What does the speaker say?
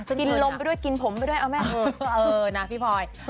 เออนะพี่พลอย